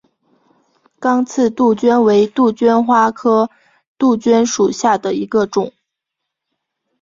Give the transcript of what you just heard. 刚刺杜鹃为杜鹃花科杜鹃属下的一个种。